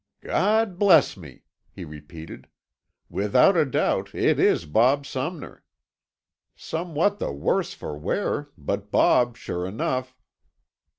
"God bless me," he repeated. "Without a doubt, it is Bob Sumner. Somewhat the worse for wear, but Bob, sure enough.